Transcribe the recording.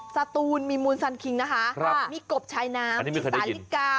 สาตูนมีมูลซานคิงนะคะครับมีกบชายน้ำมีต่าฬิกา